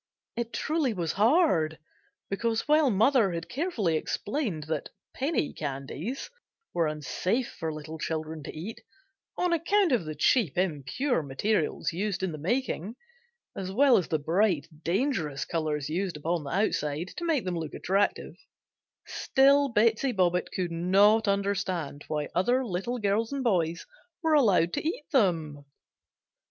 It truly was hard, because while mother had carefully explained that "penny candies" were unsafe for little children to eat, on account of the cheap, impure materials used in the making, as well as the bright, dangerous colors used upon the outside, to make them look attractive, still Betsey Bobbitt could not understand why other little girls and boys were allowed to eat them.